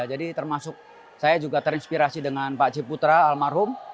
jadi termasuk saya juga terinspirasi dengan pak j putra almarhum